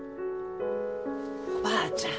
おばあちゃん